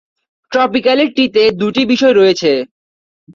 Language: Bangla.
ট্রপিক্যালিটি-তে দুটি বিষয় রয়েছে।